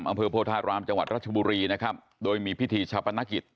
อำเภอโพธารามจังหวัดรัชบุรีนะครับโดยมีพิธีชาปนกิจ